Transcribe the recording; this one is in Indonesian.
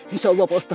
insya allah pak ustadz